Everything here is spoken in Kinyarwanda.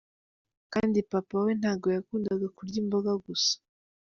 Kandi papa we ntago yakundaga kurya imboga gusa.